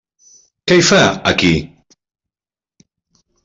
Què hi fa, aquí?